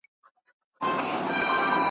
پر هر ځای مي میدانونه په ګټلي !.